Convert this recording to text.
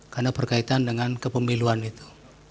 karena berkaitan dengan kepemiluan itu